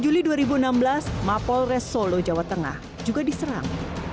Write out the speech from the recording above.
lima juli dua ribu enam belas mapol resolo jawa tengah juga diserang